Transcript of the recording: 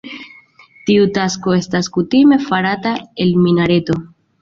Tiu tasko estas kutime farata el minareto.